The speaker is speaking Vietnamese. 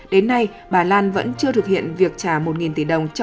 đến nay bà lan vẫn chưa thực hiện việc trả một tỷ đồng